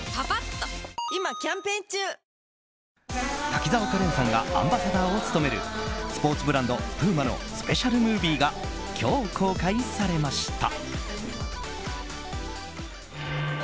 滝沢カレンさんがアンバサダーを務めるスポーツブランド、プーマのスペシャルムービーが今日、公開されました。